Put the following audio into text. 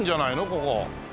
ここ。